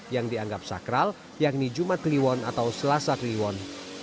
yang dianggap sakral yakni jumat kliwon atau selasa kliwon